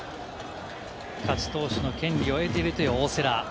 勝ち投手の権利を得ているという大瀬良。